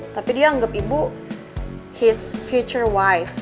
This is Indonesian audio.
tapi dia nganggep ibu his future wife